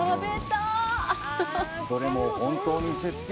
どれも本当に絶品！